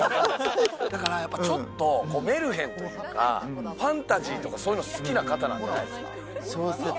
ちょっとメルヘンというか、ファンタジーとか、そういうの好きな方なんじゃないすか？